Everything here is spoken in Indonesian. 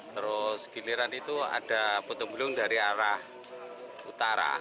terus giliran itu ada putu bulung dari arah utara